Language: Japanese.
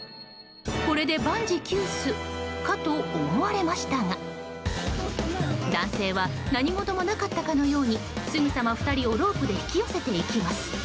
これで万事休すかと思われましたが男性は何事もなかったかのようにすぐさま２人をロープで引き寄せていきます。